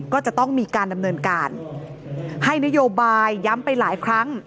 ก็จะต้องมีการดำเนินการให้นโยบายย้ำไปหลายครั้ง